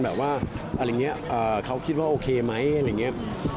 แบบว่าอะไรอย่างนี้เขาคิดว่าโอเคไหมอะไรอย่างนี้